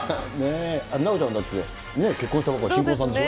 奈央ちゃんだってね、結婚したばっか、新婚さんでしょ。